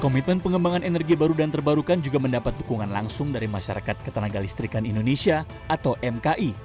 komitmen pengembangan energi baru dan terbarukan juga mendapat dukungan langsung dari masyarakat ketenaga listrikan indonesia atau mki